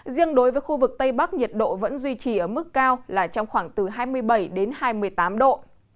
riêng đối với khu vực tây bắc nhiệt độ vẫn duy trì ở mức cao là trong khoảng từ hai mươi bảy đến hai mươi tám độ